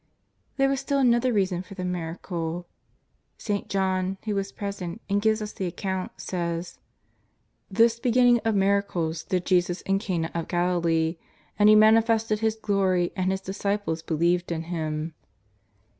There was still another reason for the miracle. St. John, who was present and gives us the account, says: " This beginning of miracles did Jesus in Cana of Gali lee, and He manifested His glory, and His disciples be lieved in Him.''